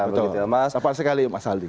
betul tepat sekali mas aldi